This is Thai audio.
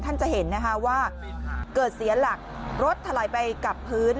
จะเห็นนะคะว่าเกิดเสียหลักรถถลายไปกับพื้น